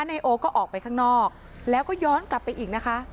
นายโอก็ออกไปข้างนอกแล้วก็ย้อนกลับไปอีกนะคะ